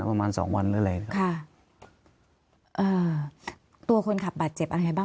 ประมาณสองวันหรืออะไรนะครับค่ะอ่าตัวคนขับบาดเจ็บอะไรบ้าง